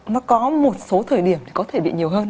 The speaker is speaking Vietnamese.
nó có một số thời điểm thì có thể bị nhiều hơn